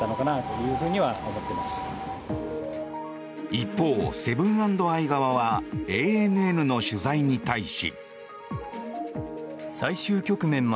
一方、セブン＆アイ側はＡＮＮの取材に対し。